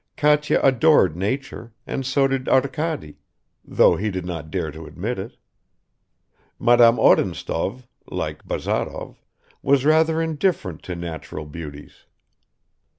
Katya adored nature, and so did Arkady, though he did not dare to admit it; Madame Odintsov, like Bazarov, was rather indifferent to natural beauties.